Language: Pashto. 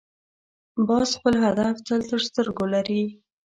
باز خپل هدف تل تر سترګو لري